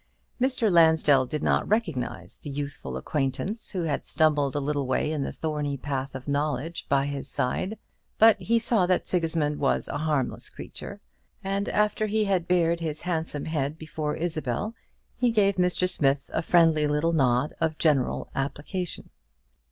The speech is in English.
Mr. Lansdell did not recognize the youthful acquaintance who had stumbled a little way in the thorny path of knowledge by his side; but he saw that Sigismund was a harmless creature; and after he had bared his handsome head before Isabel, he gave Mr. Smith a friendly little nod of general application.